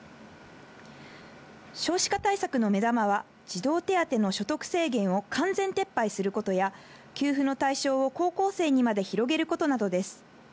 少子化対策の目玉は、児童手当の所得制限を完全撤廃することや、給付の対象を高校生にまで広げることなどです。